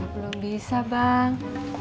belum bisa bang